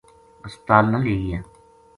ہسپتال نا لے گیا